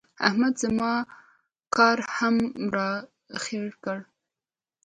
احمد زما کار هم را خرېړی کړ.